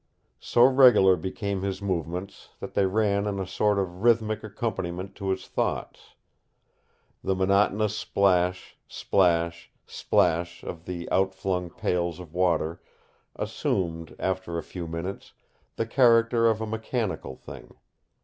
So regular became his movements that they ran in a sort of rhythmic accompaniment to his thoughts. The monotonous splash, splash, splash of the outflung pails of water assumed, after a few minutes, the character of a mechanical thing.